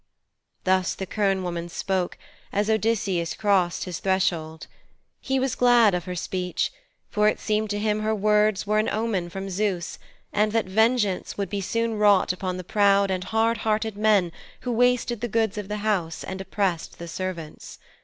Thus the quern woman spoke, as Odysseus crossed his threshold. He was glad of her speech, for it seemed to him her words were an omen from Zeus, and that vengeance would soon be wrought upon the proud and hard hearted men who wasted the goods of the house and oppressed the servants.